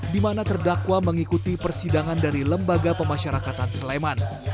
di mana terdakwa mengikuti persidangan dari lembaga pemasyarakatan sleman